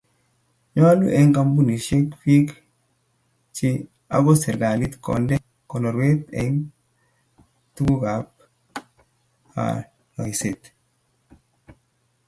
Nyolu eng kampunisyek, biik chichsk ako serikalit konde konorweet eng tuguukab loiseet